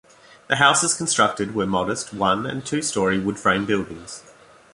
The houses constructed were modest one- and two-story wood-frame buildings.